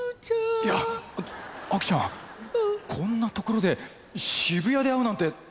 いや亜紀ちゃんこんなところで渋谷で会うなんて。